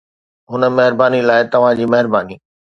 هن مهرباني لاء توهان جي مهرباني